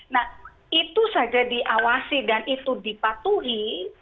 nah itu saja diawasi dan itu dipatuhi